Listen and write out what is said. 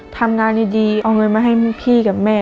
ทำงานดีเอาเงินมาให้พี่กับแม่